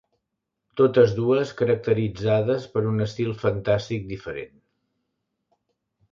Totes dues caracteritzades per un estil fantàstic diferent.